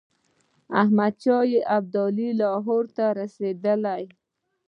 احمدشاه ابدالي لاهور ته رسېدلی دی.